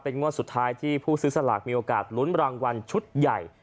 งวดสุดท้ายที่ผู้ซื้อสลากมีโอกาสลุ้นรางวัลชุดใหญ่